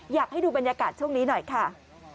อยากให้ดูบรรยากาศช่วงนี้หน่อยค่ะ